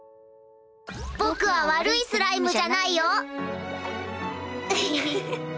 僕は悪いスライムじゃないよ。